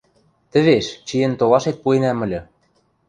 – Тӹвеш, чиэн толашет пуэнӓм ыльы...